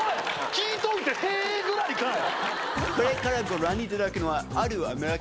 聞いといてへぇぐらいかい！